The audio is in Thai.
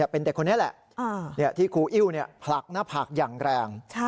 เป็นเด็กคนนี้แหละที่ครูอิ้วผลักหน้าผากอย่างแรง